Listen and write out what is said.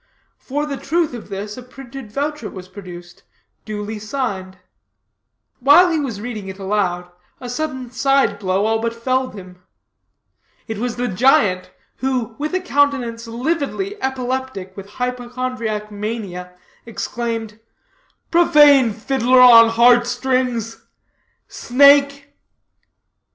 For the truth of this, a printed voucher was produced, duly signed. While he was reading it aloud, a sudden side blow all but felled him. It was the giant, who, with a countenance lividly epileptic with hypochondriac mania, exclaimed "Profane fiddler on heart strings! Snake!"